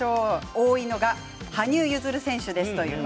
多いのは、羽生結弦選手です。